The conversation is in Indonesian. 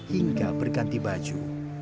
hingga berganti baju